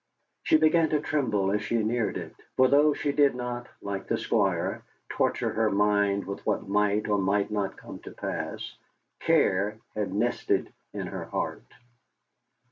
She began to tremble as she neared it, for though she did not, like the Squire, torture her mind with what might or might not come to pass, care had nested in her heart.